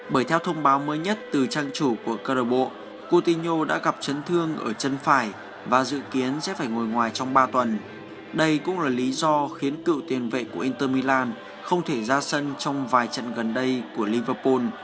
bởi theo thông báo mới nhất từ trang chủ của cơ độc bộ putino đã gặp chấn thương ở chân phải và dự kiến sẽ phải ngồi ngoài trong ba tuần đây cũng là lý do khiến cựu tiền vệ của inter milan không thể ra sân trong vài trận gần đây của liverpool